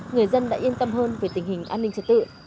người dân đã yên tâm hơn về tình hình an ninh trật tự